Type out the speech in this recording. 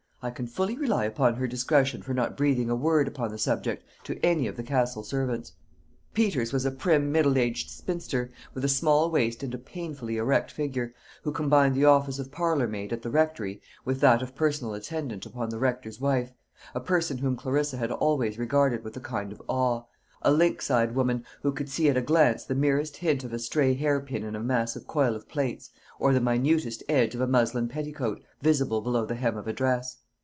I can fully rely upon her discretion for not breathing a word upon the subject to any of the Castle servants." Peters was a prim middle aged spinster, with a small waist and a painfully erect figure, who combined the office of parlour maid at the Rectory with that of personal attendant upon the Rector's wife a person whom Clarissa had always regarded with a kind of awe a lynx eyed woman, who could see at a glance the merest hint of a stray hair pin in a massive coil of plaits, or the minutest edge of a muslin petticoat, visible below the hem of a dress.